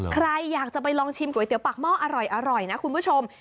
ใครอยากจะไปลองชิมก๋วยเตี๋ยปากหม้ออร่อยนะคุณผู้ชม